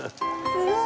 すごい！